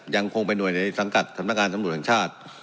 ยังคงเป็นหน่วยในสังกัดธรรมการสำรวจของชาติ